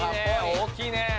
大きいね。